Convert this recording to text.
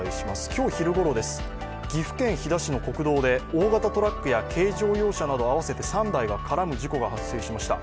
今日昼ごろ、岐阜県飛騨市の国道で大型トラックや軽乗用車など合わせて３台が絡む事故が発生しました。